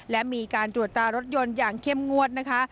และมีการตรวจตารถยนต์อย่างเข้มงวดนะคะ